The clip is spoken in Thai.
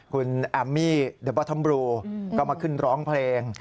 คุณแอมมี่เดอร์บอทัมบรูก็มาขึ้นร้องเพลง